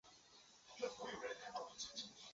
尉犁县是古西域的渠犁国所在地。